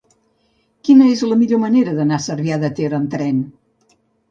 Quina és la millor manera d'anar a Cervià de Ter amb tren?